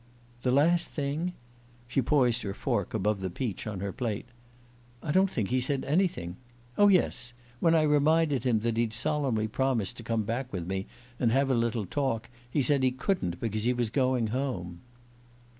"The last thing?" She poised her fork above the peach on her plate. "I don't think he said anything. Oh, yes when I reminded him that he'd solemnly promised to come back with me and have a little talk he said he couldn't because he was going home."